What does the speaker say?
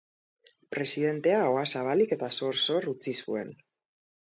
Presidentea ahoa zabalik eta sor-sor utzi zuen!